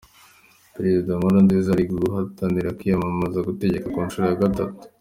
Perezida Nkurunziza ari guhatanira kwiyamamaza gutegeka ku nshuro ya gatatu.